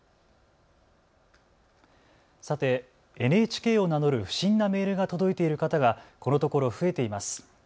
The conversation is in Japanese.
さてＮＨＫを名乗る不審なメールが届いている方がこのところ増えています。